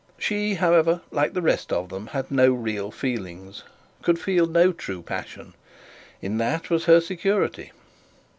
She, however, like the rest of them, had no real feelings, could feel no true passion. In that was her security.